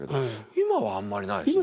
今はあんまりないですね。